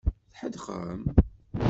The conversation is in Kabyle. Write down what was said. Tḥedqem?